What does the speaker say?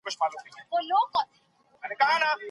ستا ګوزار باید ډیر سخت وي.